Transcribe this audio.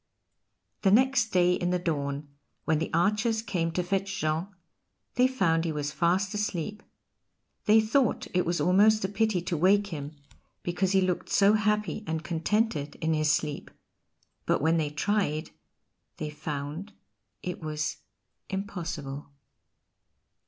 The next day in the dawn, when the archers came to fetch Jean, they found he was fast asleep. They thought it was almost a pity to wake him, because he looked so happy and contented in his sleep; but when they tried they found it was impossible.